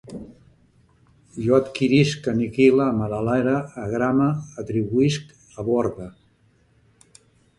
Jo adquirisc, aniquile, m'adelere, agrame, atribuïsc, aborde